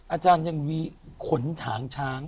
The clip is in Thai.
อาจารย์ยังมีขนถางช้าง